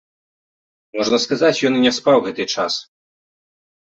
Можна сказаць, ён і не спаў гэты час.